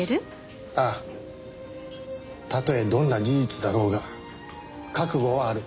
たとえどんな事実だろうが覚悟はある。